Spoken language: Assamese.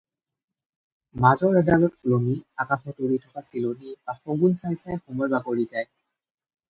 মাজৰ এডালত ওলমি আকাশত উৰি থকা চিলনী বা শগুণ চাই চাই সময় বাগৰি যায়